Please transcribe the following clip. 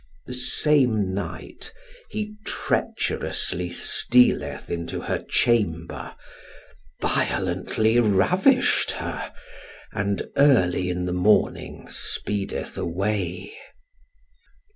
The same night he treacherously stealeth into her chamber, violently ravished her, and early in the morning speedeth away.